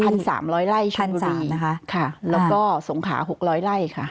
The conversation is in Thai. พันสามร้อยไล่ชุดดุรีค่ะแล้วก็สงขาหกร้อยไล่ค่ะ